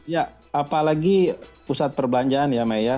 ya apalagi pusat perbelanjaan ya may ya